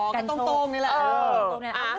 อ๋อกระโต้ง